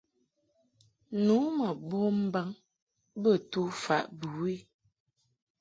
Nu ma bom mbaŋ bə tufaʼ bɨwi.